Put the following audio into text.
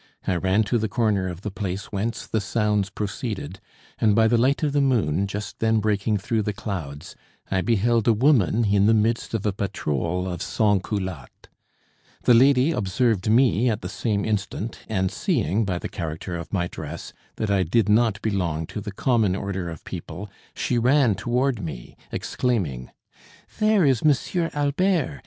I ran to the corner of the place whence the sounds proceeded, and by the light of the moon, just then breaking through the clouds, I beheld a woman in the midst of a patrol of sans culottes. The lady observed me at the same instant, and seeing, by the character of my dress, that I did not belong to the common order of people, she ran toward me, exclaiming: "There is M. Albert!